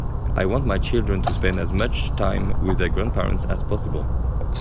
I want my children to spend as much time with their grandparents as possible.